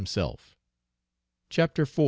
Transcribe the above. CHAPTER IV.